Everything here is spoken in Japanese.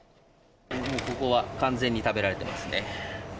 ここは完全に食べられてますね。